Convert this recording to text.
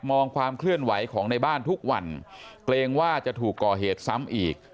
ความเคลื่อนไหวของในบ้านทุกวันเกรงว่าจะถูกก่อเหตุซ้ำอีก